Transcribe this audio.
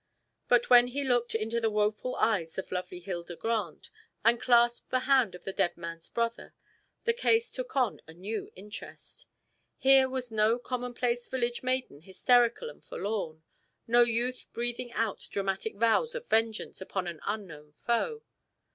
But when he looked into the woeful eyes of lovely Hilda Grant, and clasped the hand of the dead man's brother, the case took on a new interest. Here was no commonplace village maiden hysterical and forlorn, no youth breathing out dramatic vows of vengeance upon an unknown foe.